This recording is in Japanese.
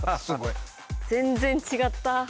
全然違った。